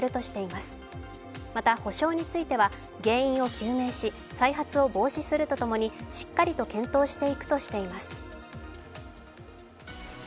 また、補償については原因を究明し再発を防止すると共にしっかりと検討していくとしています。